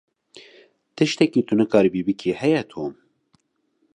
Tiştekî tu nikaribî bikî, heye Tom?